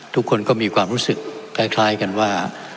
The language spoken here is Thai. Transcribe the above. ทุกคนก็มีความรู้สึกคล้ายกันว่า